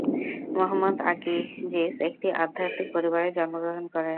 মোহাম্মদ আজিজ একটি আধ্যাত্মিক পরিবারে জন্মগ্রহণ করেন।